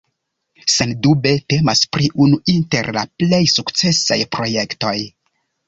Sendube temas pri unu inter la plej sukcesaj projektoj.